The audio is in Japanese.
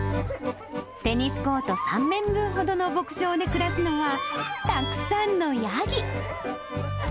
テニスコート３面分ほどの牧場で暮らすのは、たくさんのヤギ。